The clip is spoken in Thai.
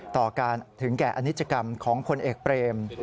ต่อการถึงแก่อนิจกรรมของพลเอกเปรม